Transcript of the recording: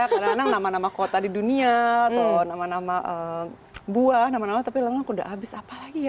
kadang kadang nama nama kota di dunia atau nama nama buah nama nama tapi lengang udah habis apa lagi ya